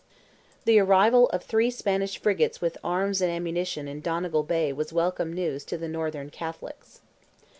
The arrival of three Spanish frigates with arms and ammunition in Donegal Bay was welcome news to the Northern Catholics.